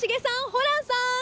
ホランさん！